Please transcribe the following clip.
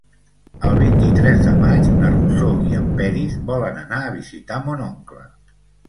El vint-i-tres de maig na Rosó i en Peris volen anar a visitar mon oncle.